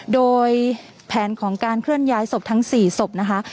โดยแผนของการเคลื่อนย้ายศพทั้ง๔ศพนะคะ